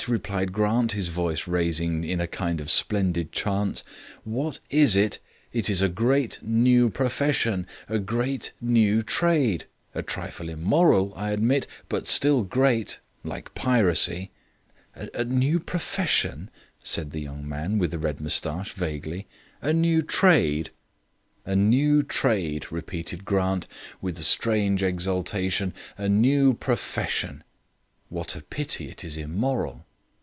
replied Grant, his voice rising into a kind of splendid chant. "What is it? It is a great new profession. A great new trade. A trifle immoral, I admit, but still great, like piracy." "A new profession!" said the young man with the red moustache vaguely; "a new trade!" "A new trade," repeated Grant, with a strange exultation, "a new profession! What a pity it is immoral."